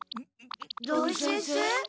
土井先生？